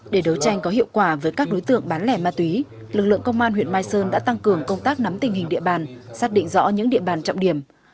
để đấu tranh có hiệu quả với các đối tượng bán lẻ ma túy lực lượng công an huyện mai sơn đã tăng cường công tác nắm tình hình địa bàn xác định rõ những địa bàn trọng điểm